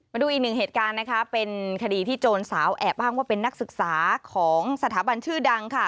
มาดูอีกหนึ่งเหตุการณ์นะคะเป็นคดีที่โจรสาวแอบอ้างว่าเป็นนักศึกษาของสถาบันชื่อดังค่ะ